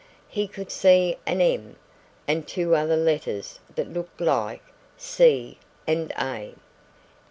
He could see an "M" and two other letters that looked like "C" and "A."